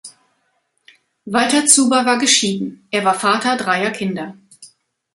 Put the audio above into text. Walter Zuber war geschieden; er war Vater dreier Kinder.